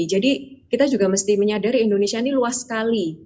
jadi kita juga mesti menyadari indonesia ini luas sekali